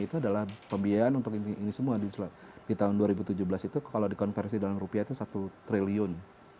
itu adalah pembiayaan untuk ini semua di tahun dua ribu tujuh belas itu kalau dikonversi dalam rupiah itu satu triliun